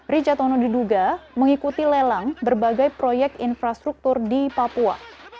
rijatano diduga mengikuti lelang berbagai proyek infrastruktur di papua